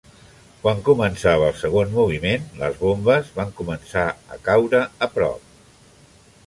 Quan començava el segon moviment, les bombes van començar a caure prop.